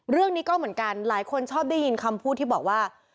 เรื่องนี้ก็เหมือนกันหลายคนชอบได้ยินคำพูดที่บอกว่า